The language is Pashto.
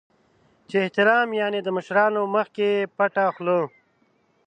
چې احترام یعنې د مشرانو مخکې پټه خوله .